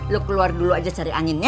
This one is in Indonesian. lu keluar dulu aja cari angin ya